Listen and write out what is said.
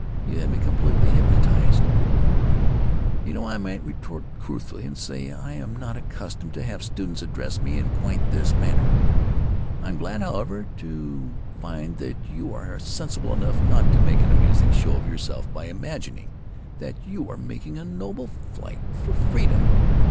You had me completely hypnotized." "You know I might retort truthfully and say I am not accustomed to have students address me in quite this manner. I'm glad, however, to find that you are sensible enough not to make an amusing show of yourself by imagining that you are making a noble fight for freedom.